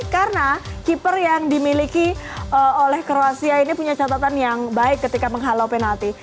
karena keeper yang dimiliki oleh kroasia ini punya catatan yang baik ketika menghalau penalti